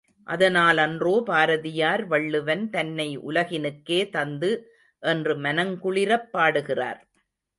அதனாலன்றோ பாரதியார் வள்ளுவன் தன்னை உலகினுக்கே தந்து என்று மனங்குளிரப் பாடுகின்றார்.